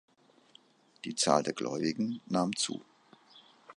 Die Zahl der Gläubigen nahm zu.